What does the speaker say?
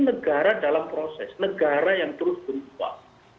negara dalam proses negara yang terus berubah